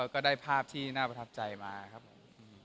ก็ได้ภาพที่น่าประทับใจมาครับผม